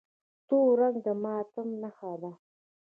تور رنګ د ماتم نښه ده.